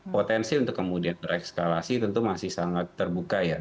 potensi untuk kemudian rekskalasi tentu masih sangat terbuka ya